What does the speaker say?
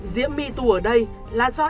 diễm my tu ở đây là do